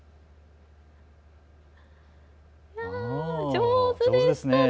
上手でしたね。